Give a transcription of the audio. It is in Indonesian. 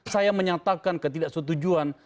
saya menyatakan ketidaksetujuan